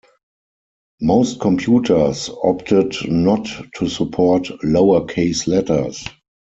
Most computers opted not to support lower-case letters.